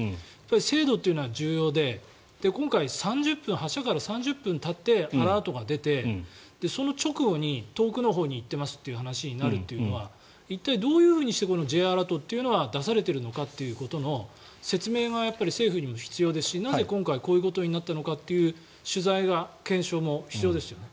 精度というのは重要で今回、発射から３０分たってアラートが出てその直後に遠くのほうに行ってますという話になるのは一体、どういうふうにしてＪアラートが出されているのかということの説明が政府にも必要ですしなぜ今回こういうことになったのかという取材が、検証も必要ですよね。